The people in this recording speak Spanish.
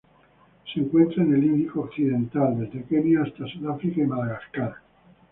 Se encuentra en el Índico occidental: desde Kenia hasta Sudáfrica y Madagascar.